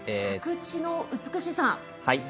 着地の美しさ。